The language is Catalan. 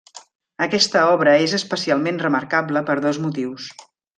Aquesta obra és especialment remarcable per dos motius.